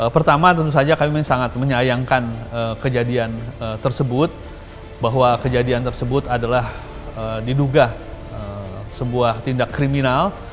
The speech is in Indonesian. pertama tentu saja kami sangat menyayangkan kejadian tersebut bahwa kejadian tersebut adalah diduga sebuah tindak kriminal